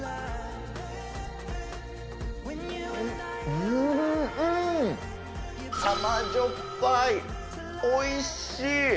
うーん、甘じょっぱい、おいしい。